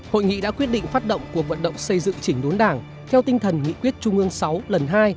hội nghị đã quyết định phát động cuộc vận động xây dựng chỉnh đốn đảng theo tinh thần nghị quyết trung ương sáu lần hai